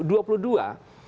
dua puluh dua